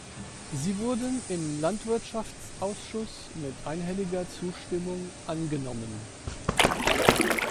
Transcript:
Sie wurden im Landwirtschaftsausschuss mit einhelliger Zustimmung angenommen.